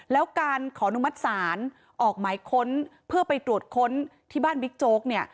แล้วการขอนุมัติศาลออกหมายค้นเพื่อไปตรวจค้นที่บ้านบิ๊กโจ๊กเนี่ย